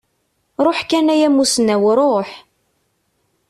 Ruḥ kan a yamusnaw ruḥ!